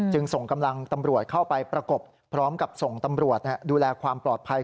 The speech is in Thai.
ส่งกำลังตำรวจเข้าไปประกบพร้อมกับส่งตำรวจดูแลความปลอดภัย